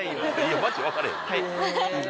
マジ分からへん。